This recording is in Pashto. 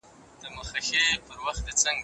د باران اوبه ذخیره کړئ.